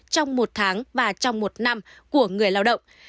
trong một tháng và trong một năm của người lao động